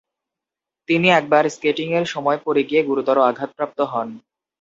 তিনি একবার স্কেটিংয়ের সময় পরে গিয়ে গুরুতর আঘাতপ্রাপ্ত হন।